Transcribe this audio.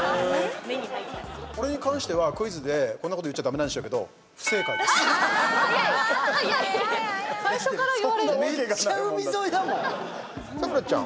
これに関しては、クイズでこんなこと言っちゃダメなんでしょうけどめっちゃ海沿いだもん！